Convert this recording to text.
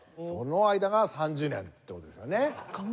その間が３０年という事ですよね。